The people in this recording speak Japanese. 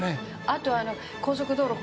あとあの高速道路